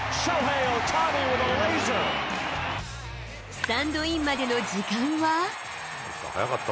スタンドインまでの時間は。